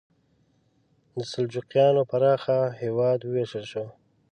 د سلجوقیانو پراخه هېواد وویشل شو.